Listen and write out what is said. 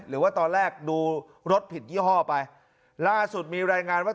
หรือว่าตอนแรกดูรถผิดยี่ห้อไปล่าสุดมีรายงานว่า